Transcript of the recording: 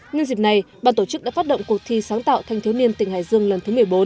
nhân dịp này ban tổ chức đã phát động cuộc thi sáng tạo thanh thiếu niên tỉnh hải dương lần thứ một mươi bốn